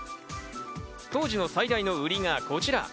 当時の最大のウリがこちら。